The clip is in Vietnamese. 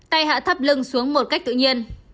tay hạ thấp lưng xuống một cách tự nhiên